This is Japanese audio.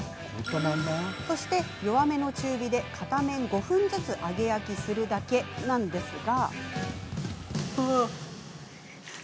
そして弱めの中火で片面５分ずつ揚げ焼きするだけなんですが。